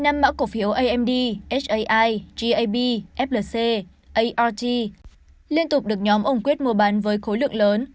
năm mã cổ phiếu amd sai gab flc art liên tục được nhóm ông quyết mua bán với khối lượng lớn